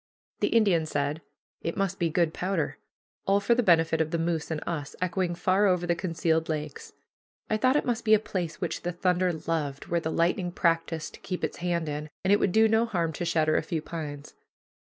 The Indian said, "It must be good powder." All for the benefit of the moose and us, echoing far over the concealed lakes. I thought it must be a place which the thunder loved, where the lightning practiced to keep its hand in, and it would do no harm to shatter a few pines.